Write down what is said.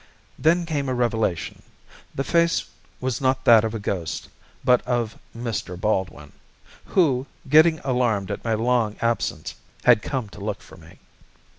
Then came a revelation. The face was not that of a ghost but of Mr. Baldwin, who, getting alarmed at my long absence, had come to look for me.